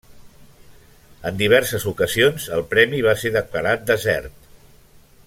En diverses ocasions el premi va ser declarat desert.